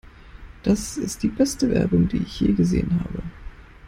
Das ist die beste Werbung, die ich je gesehen habe!